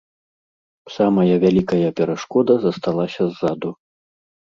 Самая вялікая перашкода засталася ззаду.